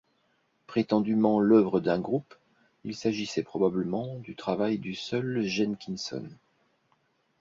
Prétendument l'oeuvre d'un groupe, il s'agissait probablement du travail du seul Jenkinson.